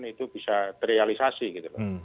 itu bisa terrealisasi gitu